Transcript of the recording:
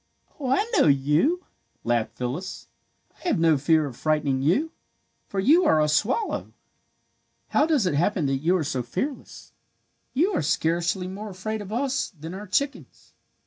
"Oh, I know you," laughed Phyllis. "I have no fear of frightening you, for you are a swallow. "How does it happen that you are so fearless? You are scarcely more afraid of us than our chickens.